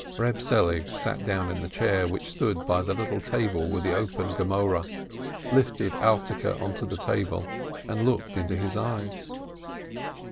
Eeb Selig sat down in the chair which stood by the little table with the open Gemoreh, lifted Alterke on to the table, and looked into his eyes.